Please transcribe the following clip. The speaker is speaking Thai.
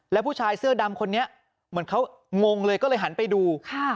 แล้วผู้ชายเสื้อดำคนนี้เหมือนเขางงเลยก็เลยหันไปดู